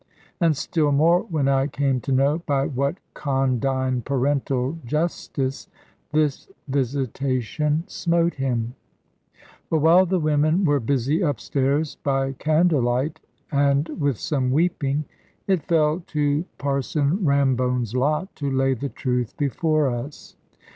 And still more, when I came to know by what condign parental justice this visitation smote him. For while the women were busy up stairs by candle light, and with some weeping, it fell to Parson Rambone's lot to lay the truth before us.